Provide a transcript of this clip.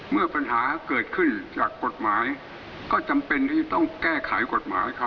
เมื่อปัญหาเกิดขึ้นจากกฎหมายก็จำเป็นที่จะต้องแก้ไขกฎหมายครับ